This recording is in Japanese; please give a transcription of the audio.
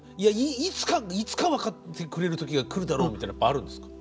いつかいつか分かってくれる時が来るだろうみたいのはやっぱあるんですか？